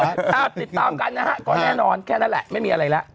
ติดตามกันนะฮะก็แน่นอนแค่นั้นแหละไม่มีอะไรแล้ว